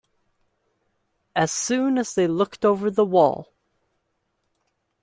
As soon as they looked over the wall.